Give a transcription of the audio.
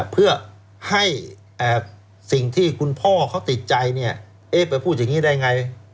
เพื่อให้สิ่งที่คุณพ่อเขาติดใจไปพูดอย่างนี้ได้ไง